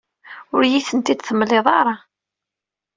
Ur iyi-ten-id-temliḍ ara.